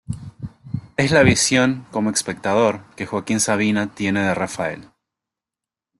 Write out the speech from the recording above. Es la visión, como espectador, que Joaquín Sabina tiene de Raphael.